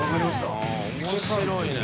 Δ面白いね。